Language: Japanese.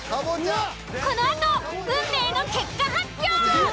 このあと運命の結果発表。